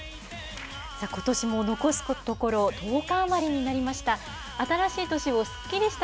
ことしも残すところ１０日余りになりました。